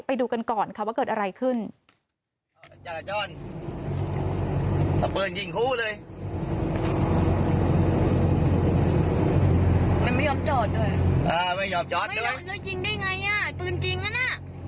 อันนี้อ่ะปืนจริงอ่ะน่ะ